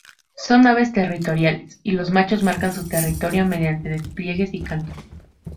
Son aves territoriales, y los machos marcan su territorio mediante despliegues y cantos.